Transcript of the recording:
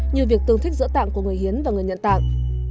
như việc tương thích giữa tạng của người hiến và người nhận tạng